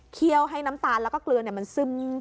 ให้น้ำตาลแล้วก็เกลือมันซึม